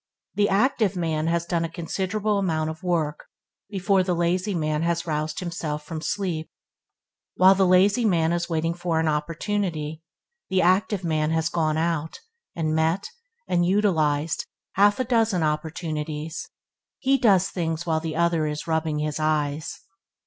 the active man has done a considerable amount of work before the lazy man has roused himself from sleep. While the lazy man is waiting for an opportunity, the active man has gone out, and met and utilized half a dozen opportunities. He does things while the other is rubbing his eyes.